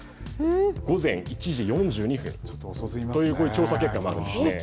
午前１時４２分という調査結果もあるんですね。